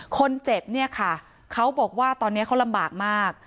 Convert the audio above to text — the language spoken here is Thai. คนเจ็บเนี่ยค่ะเขาบอกว่าตอนนี้เขาลำบากมาก